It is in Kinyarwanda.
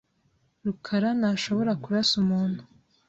rukarantashobora kurasa umuntu.